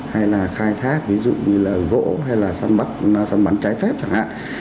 hay là khai thác ví dụ như là gỗ hay là săn bắn trái phép chẳng hạn